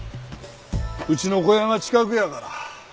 うちの小屋が近くやから。